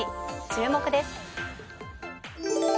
注目です。